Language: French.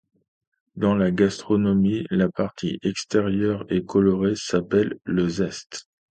Dans la gastronomie, la partie extérieure et colorée s'appelle le zeste.